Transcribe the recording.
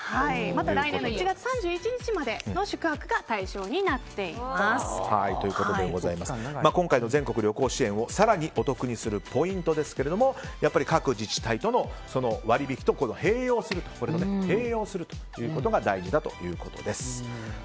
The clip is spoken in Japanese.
また、来年の１月３１日までの宿泊が今回の全国旅行支援を更にお得にするポイントですが各自治体の割引と併用するということが大事だということです。